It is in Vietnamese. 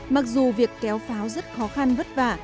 mặc dù việc kéo pháo rất khó khăn vất vả